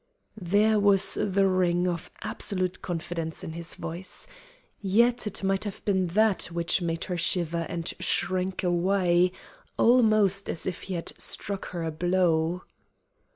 There was the ring of absolute confidence in his voice. Yet it might have been that which made her shiver and shrink away, almost as if he had struck her a blow.